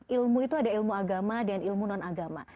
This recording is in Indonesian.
ilmu itu ada ilmu agama dan ilmu non agama